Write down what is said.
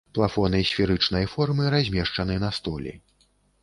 Плафоны сферычнай формы размешчаны на столі.